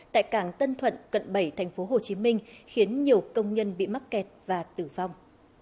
tại cảng tân thuận cận bảy tp hcm khiến nhiều công nhân bị mắc kẹt và tử vong